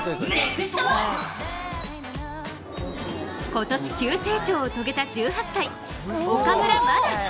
今年急成長を遂げた１８歳・岡村真。